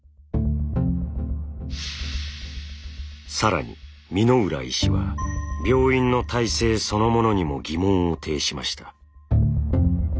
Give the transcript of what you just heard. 更に箕浦医師は病院の体制そのものにも疑問を呈しました。